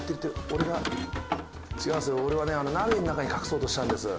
俺はね鍋の中に隠そうとしたんです。